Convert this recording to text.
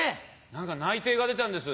何か内定が出たんです